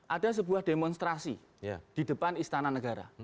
ada sebuah demonstrasi di depan istana negara